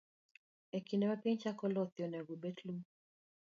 E kinde ma piny chako lothie, onego obet lum.